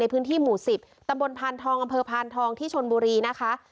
พื้นที่หมู่๑๐ตำบลพานทองอำเภอพานทองที่ชนบุรีนะคะ